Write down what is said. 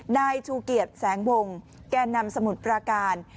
นายชูเกียจแสงวงแก่นำสมุทรปราการ